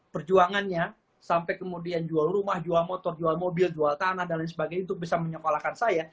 perjuangannya sampai kemudian jual rumah jual motor jual mobil jual tanah dan lain sebagainya itu bisa menyekolahkan saya